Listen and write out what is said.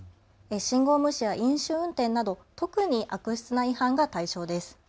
信号無視や飲酒運転など特に悪質な違反が対象です。